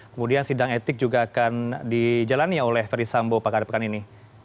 kemudian sidang etik juga akan dijalani oleh ferdis sambo pakar pekan ini